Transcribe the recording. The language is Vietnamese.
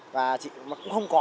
và cũng không có